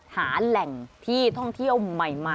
หาแหล่งที่ท่องเที่ยวใหม่